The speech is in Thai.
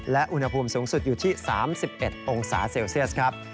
และอุณหภูมิสูงสุดอยู่ที่๓๑องศาเซลเซียสครับ